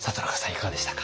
いかがでしたか？